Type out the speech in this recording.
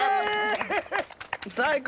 最高！